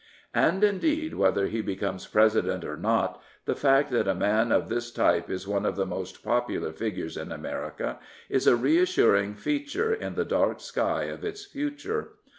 And, indeed, whether he becomes President or not, the fact that a man of this type is one of the most popular figures in America is a reassuring feature in the dark sky of its future.